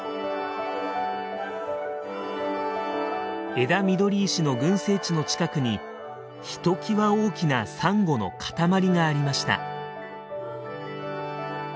エダミドリイシの群生地の近くにひときわ大きなサンゴの塊がありました。